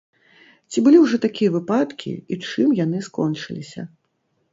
Ці былі ўжо такія выпадкі і чым яны скончыліся?